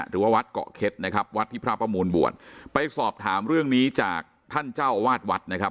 หรือว่าวัดเกาะเข็ดนะครับวัดที่พระประมูลบวชไปสอบถามเรื่องนี้จากท่านเจ้าอาวาสวัดนะครับ